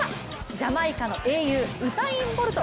ジャマイカの英雄、ウサイン・ボルト。